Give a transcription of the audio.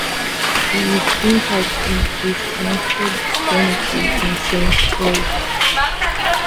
He is interred in Christiansted Cemetery in Saint Croix.